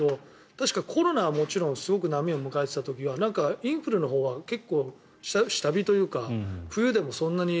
確かコロナはもちろんすごく波を迎えていた時はインフルのほうは結構、下火というか冬でもそんなに。